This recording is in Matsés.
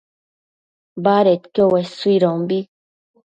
badedquio uesuidombi